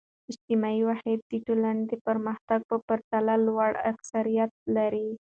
اجتماعي وحدت د ټولنې د پرمختګ په پرتله لوړ اکثریت لري.